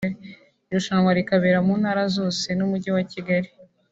irushanwa rikabera mu ntara zose n'umujyi wa Kigali